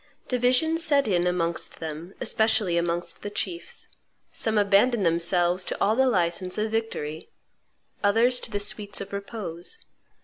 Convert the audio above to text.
Division set in amongst them, especially amongst the chiefs. Some abandoned themselves to all the license of victory, others to the sweets of repose.